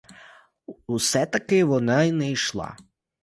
Все-таки вона не йшла.